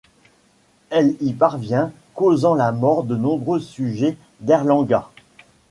Elle y parvient, causant la mort de nombreux sujets d'Airlangga.